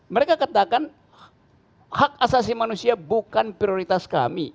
mereka katakan hak asasi manusia bukan prioritas kami